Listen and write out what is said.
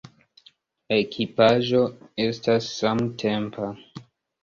La ekipaĵo estas samtempa.